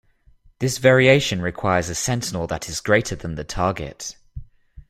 This variation requires a sentinel that is greater than the target.